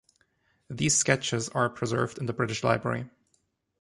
These sketches are preserved in the British Library.